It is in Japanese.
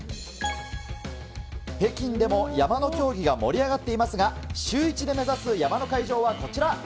北京でも山の競技が盛り上がっていますが、シューイチで目指す山の会場は、こちら。